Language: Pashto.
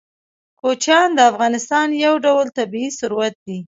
کوچیان د افغانستان یو ډول طبعي ثروت دی.